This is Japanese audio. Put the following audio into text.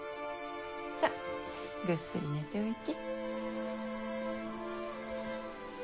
さあぐっすり寝ておいき。